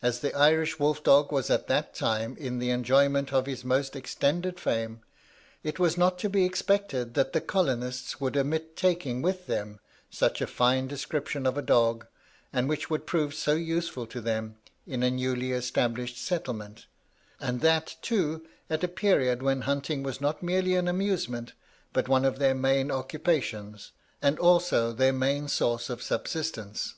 As the Irish wolf dog was at that time in the enjoyment of his most extended fame, it was not to be expected that the colonists would omit taking with them such a fine description of dog, and which would prove so useful to them in a newly established settlement, and that, too, at a period when hunting was not merely an amusement, but one of their main occupations, and also their main source of subsistence.